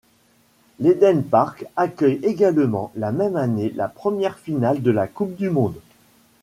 L'Eden Park accueille également la même année la première finale de coupe du monde.